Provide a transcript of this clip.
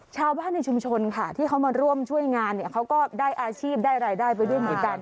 ชาวบ้านในชุมชนค่ะที่เขามาร่วมช่วยงานเนี่ยเขาก็ได้อาชีพได้รายได้ไปด้วยเหมือนกัน